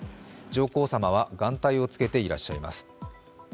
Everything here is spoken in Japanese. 上皇さまは眼帯をつけていらっしゃいます。